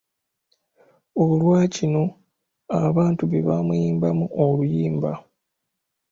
Olwa kino abantu be baamuyimbamu oluyimba.